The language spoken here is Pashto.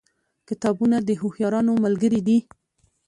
کتابونه د هوښیارانو ملګري دي.